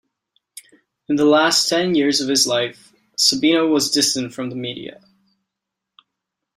In the last ten years of his life, Sabino was distant from the media.